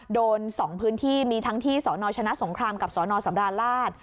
โดน๒พื้นที่มีทั้งที่สนชนะสงครามกับสนสำราญราช